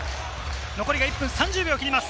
残りは１分３０秒を切ります。